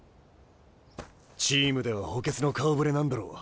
チームでは補欠の顔ぶれなんだろう。